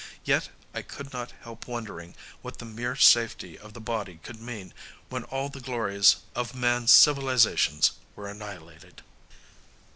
Yet I could not help wondering what the mere safety of the body could mean when all the glories of man's civilization were annihilated.